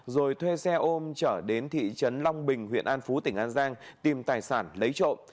rồi thuê xe ôm trở đến thị trấn long bình huyện an phú tỉnh an giang tìm tài sản lấy trộm